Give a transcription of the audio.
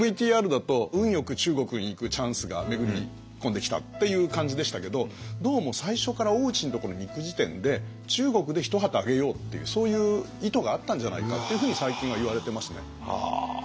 ＶＴＲだと運よく中国に行くチャンスが巡り込んできたっていう感じでしたけどどうも最初から大内のところに行く時点で中国で一旗揚げようっていうそういう意図があったんじゃないかっていうふうに最近は言われてますね。